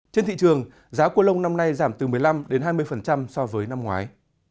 trên thị trường giá cua lông năm nay giảm từ một mươi năm đến hai mươi so với năm ngoái